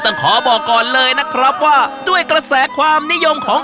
ต้องขอบอกก่อนเลยนะครับว่าด้วยกระแสความนิยมของ